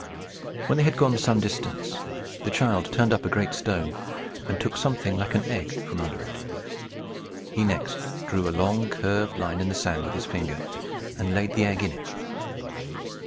When they had gone some distance, the child turned up a great stone, and took something like an egg from under it. He next drew a long curved line in the sand with his finger, and laid the egg in it.